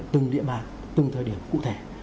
từng địa bàn từng thời điểm cụ thể